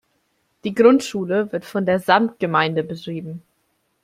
Die Grundschule wird von der Samtgemeinde betrieben.